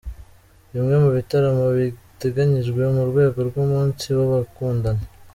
Bimwe mu bitaramo biteganijwe mu rwego rw’umunsi w’abakundana